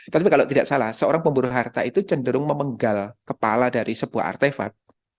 tapi kalau tidak salah seorang pemburu harta itu cenderung memenggal kepala dari sebuah artefak